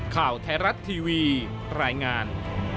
ข่าวไทยรัฐทีวีรายงาน